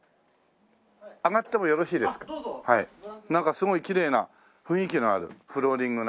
なんかすごいきれいな雰囲気のあるフローリングなんで。